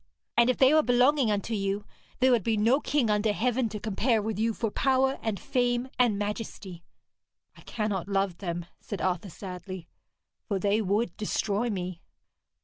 And if they were belonging unto you, there would be no king under heaven to compare with you for power and fame and majesty.' 'I cannot love them,' said Arthur sadly, 'for they would destroy me.'